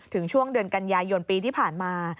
ช่วงเดือนกันยายนปีที่ผ่านมา